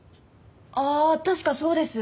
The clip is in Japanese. ああ確かそうです。